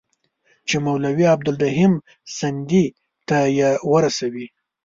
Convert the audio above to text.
چي مولوي عبدالرحیم سندي ته یې ورسوي.